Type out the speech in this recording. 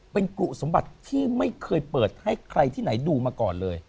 เป็นกรุสมบัติที่ไม่เคยเปิดให้ใครที่ไหนดูมาก่อนเลย